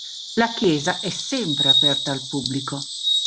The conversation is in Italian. La chiesa è sempre aperta al pubblico.